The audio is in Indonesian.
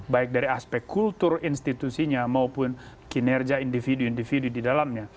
baik dari aspek kultur institusinya maupun kinerja individu individu di dalamnya